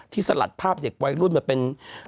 ที่สลัดภาพเด็กวัยรุ่นจริงเป็น